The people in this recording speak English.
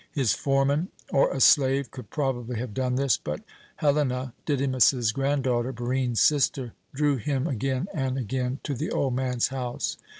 His foreman or a slave could probably have done this, but Helena Didymus's granddaughter, Barine's sister drew him again and again to the old man's home.